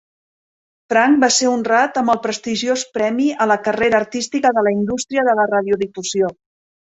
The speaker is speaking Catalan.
Frank va ser honrat amb el prestigiós premi a la carrera artística de la indústria de la radiodifusió.